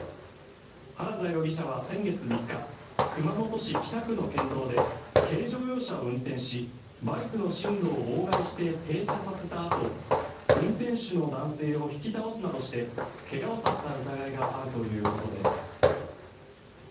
原田容疑者は先月３日熊本市北区の県道で軽乗用車を運転しバイクの進路を妨害して停車させたあと運転手の男性を引き倒すなどして怪我をさせた疑いがあるということです。